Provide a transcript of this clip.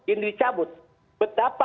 ini dicabut betapa